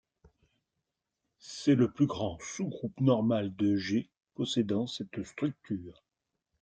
C'est le plus grand sous-groupe normal de G possédant cette structure.